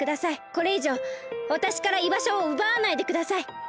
これいじょうわたしからいばしょをうばわないでください！